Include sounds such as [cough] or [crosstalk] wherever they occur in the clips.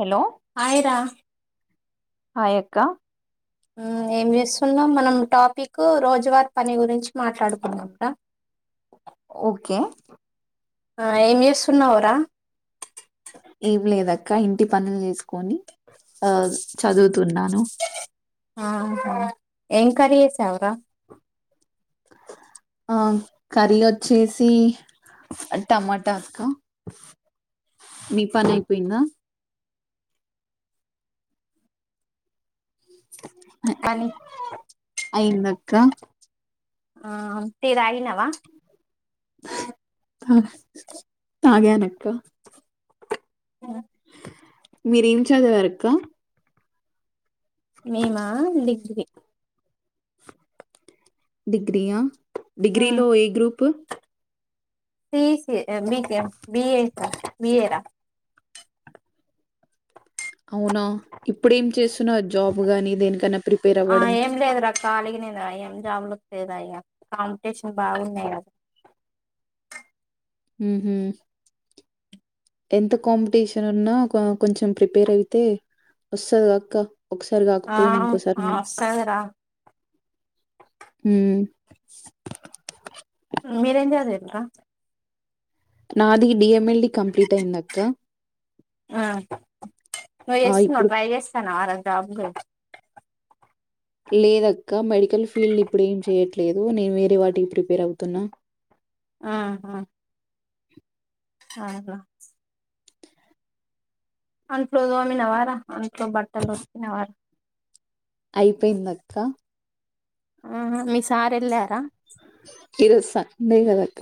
Hello hi రా హయక్క మ్ ఏం చేస్తున్నావ్ మనం టాపిక్ రోజువార్ పని గురించి మాట్లాడుకుందాం రా ఓకే ఆ ఏం చేస్తున్నావ్రా ఏం లేదక్క ఇంటి పనులు చేసుకొని ఆ చదువుతున్నాను ఆ హా ఏం కర్రీ చేసావ్రా ఆ కర్రీ వచ్చేసి టమాటా అక్క మీ పని అయిపోయిందా పని అయిందక్క టీ తాగినవా తగ తాగానక్క మీరేం చదివారక్క మేమా డిగ్రీ డిగ్రియా డిగ్రి లో ఏ గ్రూప్ సి ఈ సి అ బీ కేం బిఏ బిఏ రా అవునా ఇప్పుడేం చేస్తున్నావ్ జాబ్ గాని దేనికన్నా ప్రిపేర్ అవ్వడం కాలిగనే రా ఎం జాబ్లు వత్తయ్ రా ఇగ కాంపిటీషన్ బాగున్నాయి కదా ఉమ్ హు ఎంత కాంపిటీషన్ ఉన్నా కొ-కొంచెం ప్రిపేర్ అయితే వస్తది గా అక్క ఒకసారి ఆ కాకపోయినా ఇంకోసారి ఆ అన్న వస్తదిరా మ్ మీరేం చదివిరక్క నాది డిఎంఎల్డి కంప్లీట్ అయిందక్క ఆ నువ్ ఆ! చేస్తునవ ఇప్పుడు ట్రై చేస్తానవా రా రానిలే లేదక్క మెడికల్ ఫీల్డ్ ఇప్పుడు ఏం చేయ్యట్లేదు నేను వేరే వాటికి ప్రిపేర్ అవుతున్నా ఆ హా అ హా అంట్లు తోమి నవారా అంట్లు బట్టలు ఉతికి నవారా అయిపోయిందక్క అ హా మీ సార్ వెళ్ళారా ఈరోజు సండే కదక్క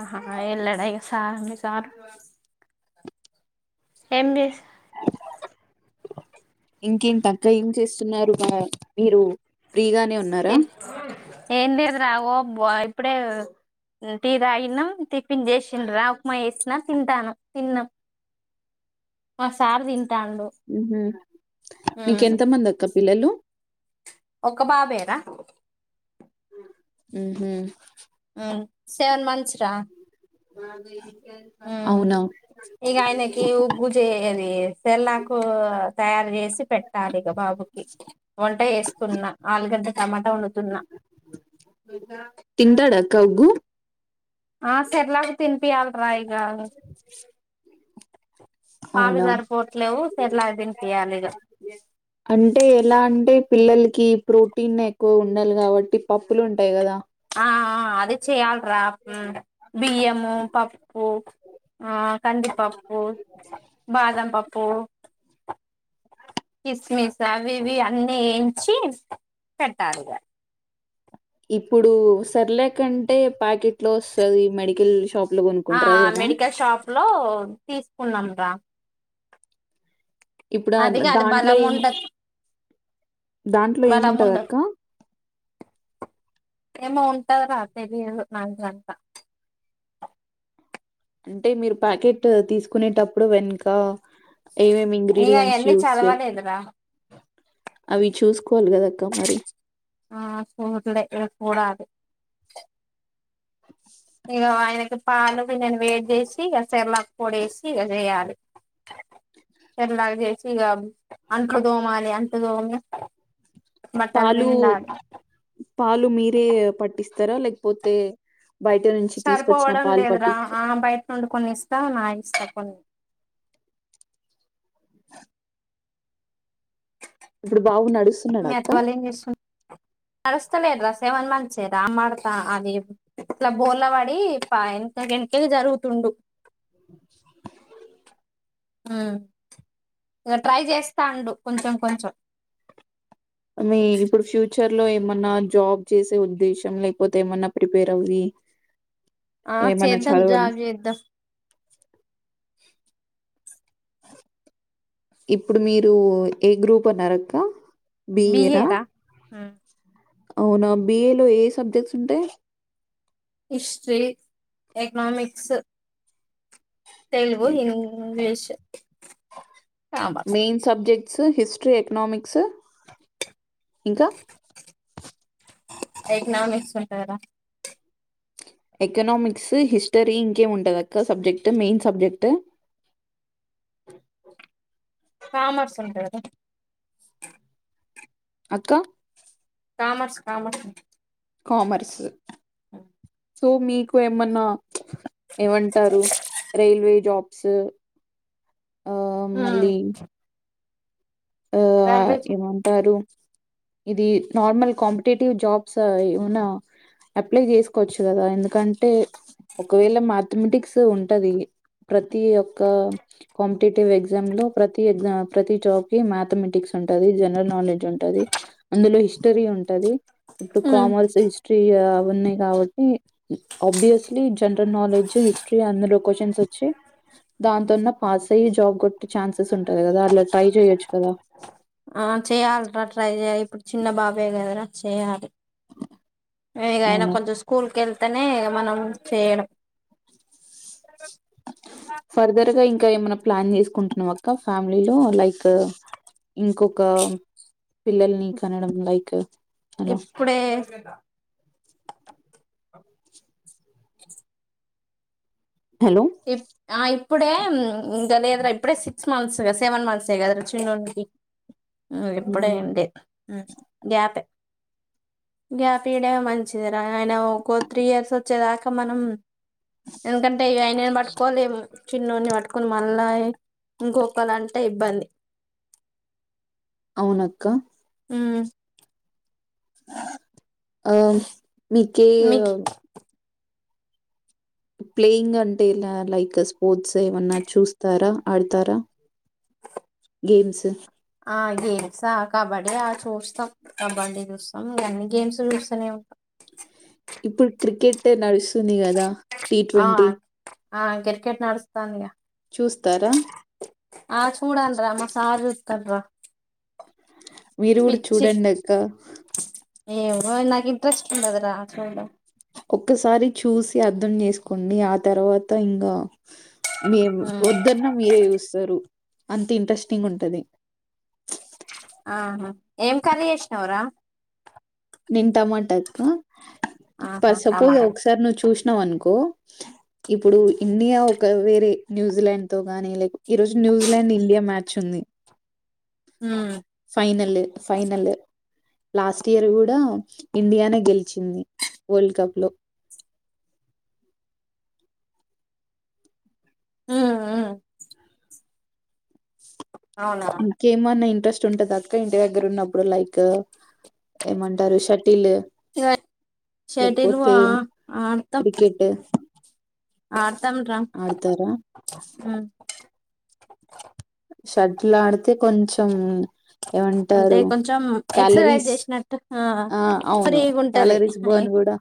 ఆహా ఎల్లడ ఇగ సార్ మీ సార్ ఎం చెస్ ఇంకేంటక్క ఏం చేస్తున్నారు మా మీరు ఫ్రీగానే ఉన్నారా ఏం లేదు రా వో ఇప్పుడే టీ తాగినం టిఫిన్ జేసిన్ రా ఉప్మా జేసిన తింటానం తిన్నం ఆ సార్దిన్ మ్ హు మీక ఎంత మంది అక్క పిల్లలు ఒక పాపేర హ్మ్ హు సెవెన్ మంత్స్ రా నాదే ఆ ఇగ ఆయనకి ఉగ్గు జేయాలి ఈ సెర్లకు తయారు చేసి పెట్టాలి ఇగ బాబుకి వంట చేస్తున్నా ఆలుగడ్డ టమాటా వండుతున్న తింటాడాక్క ఉగ్గు ఆ సర్లాక్ తిన్పియాల్ రా ఇగ పాలు అవునా! సరిపోట్లేవు సెర్లెక్ దినిపియాలి ఇగ అంటే ఎలా అంటే పిల్లలకి ప్రోటీన్ ఎక్కువ ఉండాలి గావట్టి పప్పులు ఉంటాయి కదా ఆ అదే చెయ్యాల్రా బియ్యము పప్పు ఆ కందిపప్పు బాదం పప్పు కిస్మిస్ అవి ఇవి అన్నీ ఎయించి పెట్టాలిగ ఇప్పుడు సెర్లెక్ అంటే ప్యాకెట్ లో వస్తాది మెడికల్ షాప్ ఆ మెడికల్ షాప్ లో తీసుకున్నాం రా ఇప్పుడా అదిగా అది దాంట్లో బలం ఏం ఉండదు దాంట్లో బలం ఉండదు ఏముంటదక్క ఏమో ఉంటాది రా తెలియదు నాకు గట్ట అంటే మీరు ప్యాకెట్ తీసుకునేటప్పుడు వెనక ఏమేమి ఇగ ఇంగ్రిడియట్స్ అయన్నీ యూస్ చే చదవలేదురా అవి చూస్ ఆ చూడ్లె ఇగ చూడలి ఇగ ఆయనకి పాలు నేను వేడి జేసి ఇగ సెర్లెక్ పొడేసి ఇగ జేయాలి సెర్లెక్ జేసి ఇగ అంట్లు దోమాలి అంత దోమి పాలు పాలు మీరే పట్టిస్తారా లేకపోతే బయట నుంచి తీసుకొచ్చిన సరిపోవడం పాలు లేదు రా పట్టిస్తారా? ఆ బయట నుండి కొని ఇస్తా నా స్థాపన్ [inaudible] ఇప్పుడు బాబు నడుస్తున్నాడ అక్క. నడుస్తలేడు రా సెవెన్ మంత్స్ ఏ రా అమ్మర్త అది ఇట్లా బోర్లవడి పైన తగింటే జరుగుతుండు [inaudible] ఆ ఇగ ట్రై చేస్తాండు కొంచెం కొంచెం మీర్ ఇప్పుడు ఫ్యూచర్ లో ఏమన్నా జాబ చేసే ఉద్దేశం లేకపోతే ఏమన్నా ప్రిపేర్ అవ్వి [inaudible] [inaudible] ఆ ఏమన్నా చేద్దాం చదవడం జాబ్ జేద్దాం ఇప్పుడు మీరు ఏ గ్రూప్ అన్నారక్క బి ఎ బిఏనా? రా అవునా బిఏ లో ఏ సబ్జెక్ట్స్ ఉంటయి history economics Telugu English commerce main subjects history economics ఇంకా ఎకనామిక్స్ ఉంటాదా ఎకనామిక్స్ హిస్టరీ ఇంకేముంటది అక్క సబ్జెక్ట్ మెయిన్ సబ్జెక్ట్ [inaudible] కామర్స్ ఉంటది అక్క కామర్స్ కామర్స్. కామర్స్. సో మీకు ఏమన్నా, ఏమంటారు రైల్వే జాబ్స్ ఆ మళ్ళీ ఆ ఏమంటారు. ఇది నార్మల్ కాంపిటేటివ్ జాబ్స్ ఏమైనా అప్లై చేసుకోవచ్చు కదా, ఎందుకంటే ఒకవేళ మాథమెటిక్స్ ఉంటది. ప్రతి ఒక్క కాంపిటేటివ్ ఎగ్జామ్ లో ప్రతి ఎగ్జామ ప్రతి జాబ్ మ్యాథమెటిక్స్, ఉంటది జనరల్ నాలెడ్జ్ ఉంటది, అందులో హిస్టరీ ఉంటది. ఇప్పుడు ఉమ్ కామర్స్ హిస్ట్రీయ ఉన్నాయి కాబట్టి ఆబ్వియస్లీ, జనరల్ నాలెడ్జ్, హిస్టరీ అందులో క్వచన్స్ వచ్చి. దాంతోన్నా పాస్ అయ్యి జాబ్ కొట్టే ఛాన్సెస్ ఉంటది కదా, అలా ట్రై చెయొచ్చు. ఆ చేయాలరా, ట్రై చేయాలి ఇప్పుడు చిన్న బాబె కదరా చేయాలి. ఎ ఇగ ఆయన అవునా కొంచెం స్కూల్కకెళి తనే మనం చేయడం ఫర్దర్ గా ఇంకా ఏమైన్నా ప్లాన్ చేసుకుంటున్నావా అక్క ఫ్యామిలీలో లైక్ ఇంకొక, పిల్లల్ని కనడం లైక్ అలా ఇప్పుడే. హలో ఇప్ ఆ ఇప్పుడే ఇంకా లేదురా ఇప్పుడే సిక్స్ మంత్స్గా సెవెన్ మంత్స్ ఎ కదా చిన్నోడికి ఇప్పుడే ఏం లే గ్యాపె గ్యాప్ ఇయ్యడమె మంచిది రా ఆయన ఇంకో త్రీ ఇయర్స్ వచ్చే వరకు మనం ఎందుకంటే ఇగ అయినను పట్టుకోని తిరుగు చిన్నోని పట్టుకొని మళ్ళా ఇంకొకలంటే ఇబ్బంది. అవునక్క. ఉమ్ అ మీకే మీకు ప్లేయింగ్ అంటేల లైక్ స్పోర్ట్స్ ఏమన్నా చూస్తారా ఆడతారా గేమ్స్. ఆ గేమ్స ఆ కబడ్డీ ఆ చూస్తం కబడ్డీ చూస్తం ఇగ అన్ని గేమ్స్ చూస్తనే ఉంటం ఇప్పుడు క్రికెట్ నడుస్తుంది కదా టీ ఆ ట్వంటీ ఆ కిర్ కేట్ నడస్తా చూస్తారా ఆ చూడన్రా మా సారు చూత్తడ్రా మీరు కూడా చూడండి అక్క ఏమో నాకు ఇంట్రెస్ట్ ఉండదురా చూడ్ను ఒక్కసారి చూసి అర్థం చేసుకోండి ఆ తర్వాత ఇంగా మేము మ్మ్ వద్దన్న మీరే చూస్తరు అంత ఇంట్రెస్టింగ్ ఉంటది ఆహా ఏం కరీ ఏష్నవ్ రా నేన్ టమాటక్క ఆహా పర్ సపోజ్ టమాటా ఒకసారి నువ్వు చూ ష్ణ వన్కో ఇప్పుడు ఇండియా ఒక వేరే న్యూజిలాండ్ తో గాని లైక్ ఈ రోజు న్యూజిలాండ్ ఇండియా మ్యాచ్ ఉంది మ్మ్ ఫైనల్ ఫైనల్ లాస్ట్ ఇయర్ డా ఇండియానే గెలిచింది వల్డ్ కప్ లో ఆమ్ ఆమ్ ఇంకే మున్నాయి ఇంట్రెస్ట్ ఉంటదా అక్క ఇంటి దగ్గర ఉన్నప్పుడు లైక్ ఏమంటరు షటిల్ ఇక షటిల్ లేకపోతే ఆ ఆడతాం క్రికెట్ ఆడతాం రా ఆడతారా మ్మ్ షటిల్ ఆడితే కొంచెం అంటే ఏమంటారు కొంచెం ఎక్సర్సైజ్ క్యాలరీస్ చేసినట్టు ఆ అవును ఫ్రీగా ఉంటది క్యాలరీస్ బ ర్న్ గూడా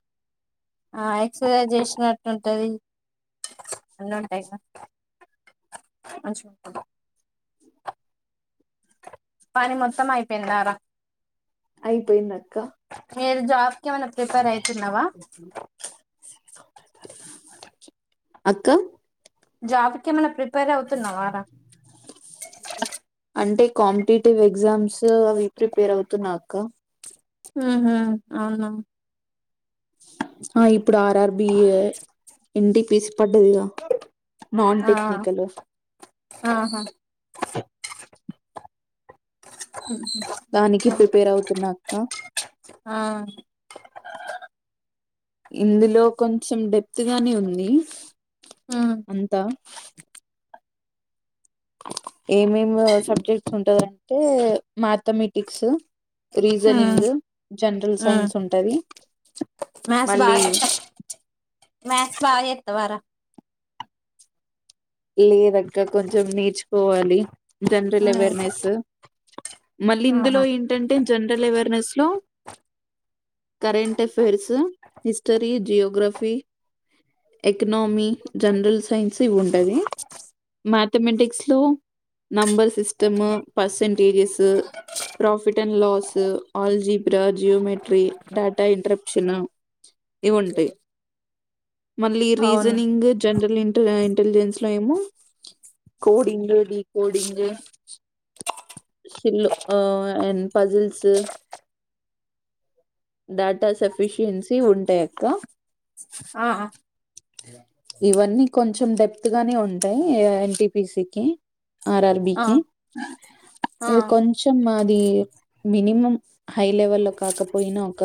ఆ ఎక్సర్సైజ్ చేసినట్టుంటది అన్నీ ఉంటాయి ఇంగ మంచిగుంటది పని మొత్తం అయిపోయిందారా అయిపోయింది అక్క మీరు జాబ్ కి ఏమన్నా ప్రిపేర్ ఐతున్నావా అక్క జాబ్ కేమన్న ప్రిపేర్ అవుతున్నవా రా అంటే కాంపిటేటివ్ ఎగ్జామ్స్ అవి ప్రిపేర్ అవుతున్నా అక్క ఉహూ అవునా ఆ ఇప్పుడు ఆర్ ఆర్ ఆర్బి ఎన్టిపిసి పడ్డదిగా నాన్ ఆ టెక్నికల్ ఆహా దానికి ప్రిపేర్ అవుతున్నా అక్క ఆ ఇందులో కొంచెం డెప్త్ గానే ఉంది ఉమ్ అంత ఏం ఏం సబ్జెక్ట్స్ ఉంటందంటే మ్యాథమెటిక్స్ ఉమ్ రీజనింగ్ జనరల్ ఉమ్ సైన్స్ ఉంటది మ్యాథ్స్ మళ్ళీ బాగా మ్యాథ్స్ బాగా చేస్తవారా లేదు అక్క కొంచెం నేర్చుకోవాలి జనరల్ ఉమ్ అవేర్నెస్ మళ్ళీ ఇందులో ఆహా ఏంటంటే జనరల్ అవేర్నెస్ లో current affairs history geography economy general science ఇవి ఉంటాయి మ్యాథమెటిక్స్ లో number system percentages profits and loss algebra geometry data inter క్షణ ఇవి ఉంటాయి మళ్ళీ అవునా రీజనింగ్ జనరల్ ఇ ఇంటెలిజెన్స్ ఇందులో ఏమో కోడింగ్ డికోడింగ్ ఫిల్ ఆ అండ్ పజిల్స్ డేటా సఫిషియన్సీ ఉంటాయి అక్క ఆ ఆ ఇవన్నీ కొంచెం డెప్త్ గానే ఉంటాయి ఎన్టిపిసికి ఆ ఆర్ఆర్బికి ఇది ఆ కొంచెం అది మినిమం హైలెవెల్ లో కాకపోయినా ఒక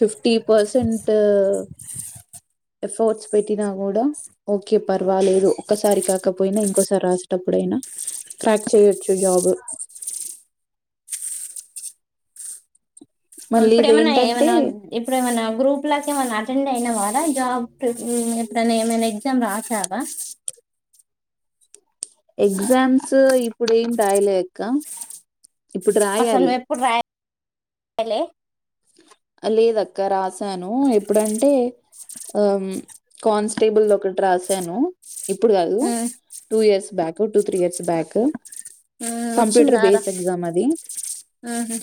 ఫిఫ్టీ ఫిఫ్టీ పర్సెంట్ ఎఫర్ట్స్ పెట్టినా కూడా ఓకే పర్వాలేదు ఒక్కసారి కాకపోయినా ఇంకోసారి రాసేటప్పుడు ఎప్పుడైనా క్రాక్ చేయవచ్చు జాబ్ మళ్ళీ ఇప్పుడ ఇది ఏమన్నా ఏంటంటే ఏమన్నా ఇప్పుడ ఏమన్నా గ్రూప్ లకి ఏమనా అటెండ్ అయిన వారా జాబ్ ఎప్పుడన్న ఏమైనా ఎగ్జామ్ రాసావా ఎగ్జామ్స్ ఇప్పుడేం రాయలే అక్క ఇప్పుడు రాయాలి. ఇంకాలే లేదక్క రాసాను ఎప్పుడంటే ఆ కాన్స్టేబుల్ది ఒకటి రాసాను. ఇప్పుడు కాదు. ఉమ్, two years back two three years back ఉమ్, కంప్యూటర్ వచ్చిందారా బేస్ ఎగ్జామ్ అది. ఉహు.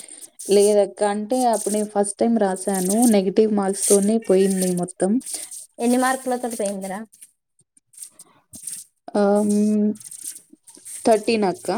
లేదక్ క్క అంటే అప్పుడు నేను ఫస్ట్ టైం రాసాను నెగటివ్ మార్క్స్ తోనే పోయింది మొత్తం. ఎన్ని మార్కులతో పోయిందిరా ఆ థర్టీన్ అక్క